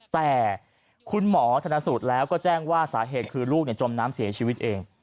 แต่คุณหมอธนสูตรแล้วก็แจ้งว่าสาเหตุคือลูกจมน้ำเสียชีวิตเอง